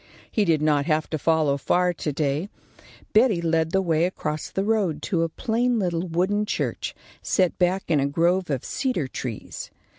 He did not have to follow far to day. Betty led the way across the road to a plain little wooden church, set back in a grove of cedar trees.